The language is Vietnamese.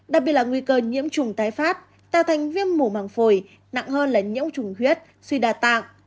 đặc biệt là nguy cơ nhiễm trùng tái phát tạo thành viêm mủ màng phổi nặng hơn là nhiễm trùng huyết suy đa tạng